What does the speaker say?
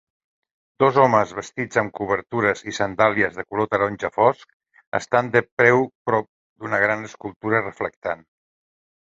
Dos homes vestits amb cobertures i sandàlies de color taronja fosc estan de peu prop d'una gran escultura reflectant.